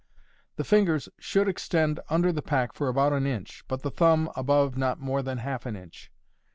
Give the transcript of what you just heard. The fingers should extend under the pack for about an inch, but the thumb above not more than half an inch.